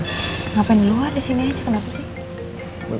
ngapain di luar disini aja kenapa sih